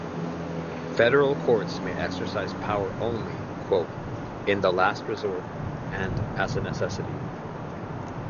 Federal courts may exercise power only "in the last resort, and as a necessity".